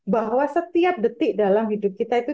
bahwa setiap detik dalam hidup kita itu